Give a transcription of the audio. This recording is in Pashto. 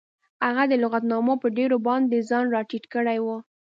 هغه د لغتنامو په ډیریو باندې ځان راټیټ کړی و